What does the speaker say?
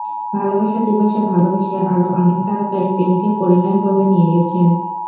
ভালোবাসা দিবসে ভালোবেসে আরও অনেক তারকাই প্রেমকে পরিণয় পর্বে নিয়ে গেছেন।